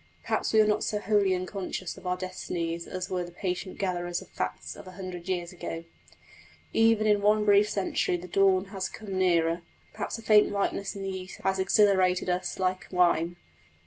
Perhaps we are not so wholly unconscious of our destinies as were the patient gatherers of facts of a hundred years ago. Even in one brief century the dawn has come nearer perhaps a faint whiteness in the east has exhilarated us like wine.